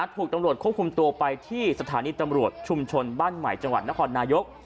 ถูกตำรวจควบคุมตัวไปที่สถานีตำรวจชุมชนบ้านใหม่จังหวัดนครนายก